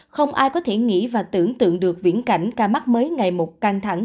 không ai có thể nghĩ và tưởng tượng được viễn cảnh ca mắc mới ngày một căng thẳng